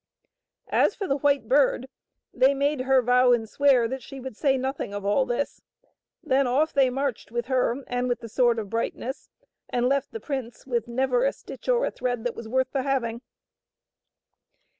As for the White Bird, they made her vow and swear that she would say nothing of all this. Then off they marched with her and with the Sword of Brightness, and left the prince with never a stitch or a thread that was worth the having.